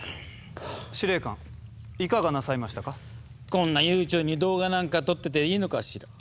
こんな悠長に動画なんか撮ってていいのかしら？